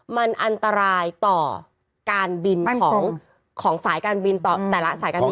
มันอันตรายต่อการบินของสายการบินแต่ละสายการบิน